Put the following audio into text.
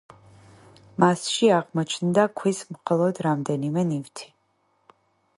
მასში აღმოჩნდა ქვის მხოლოდ რამდენიმე ნივთი.